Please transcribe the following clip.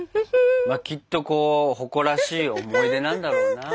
きっとこう誇らしい思い出なんだろうな。